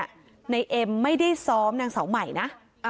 นายเอ็มไม่ได้ซ้อมนางสาวใหม่นะ